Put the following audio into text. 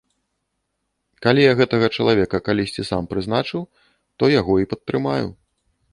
Калі я гэтага чалавека калісьці сам прызначыў, то яго і падтрымаю.